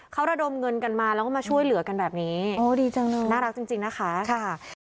เขาระดมเงินกันมาแล้วก็มาช่วยเหลือกันแบบนี้น่ารักจริงนะคะ